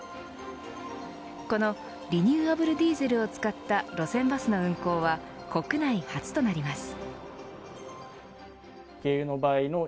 このリニューアブルディーゼルを使った路線バスの運行は国内初となります。